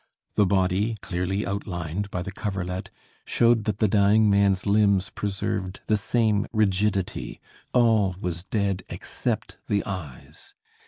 The body, clearly outlined by the coverlet, showed that the dying man's limbs preserved the same rigidity. All was dead, except the eyes.